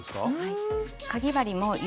はい。